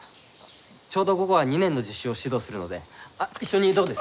ちょうど午後は２年の実習を指導するのであ一緒にどうです？